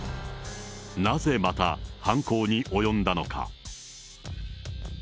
なぜ、また犯行に及んだのか。